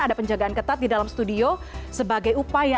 ada penjagaan ketat di dalam studio sebagai upaya